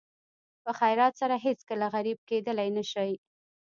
په خیرات سره هېڅکله غریب کېدلی نه شئ.